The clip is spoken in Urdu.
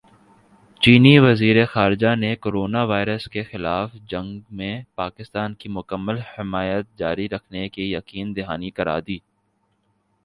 چینی وزیرخارجہ نے کورونا وائرس کےخلاف جنگ میں پاکستان کی مکمل حمایت جاری رکھنے کی یقین دہانی کرادی